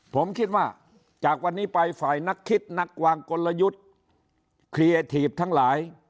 ผมคิดว่าจากวันนี้ไปฝ่ายนักคิดนักวางกลยุทธ์เคลียร์ทีฟทั้งหลาย